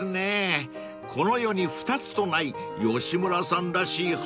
［この世に２つとない吉村さんらしい破天荒な作品］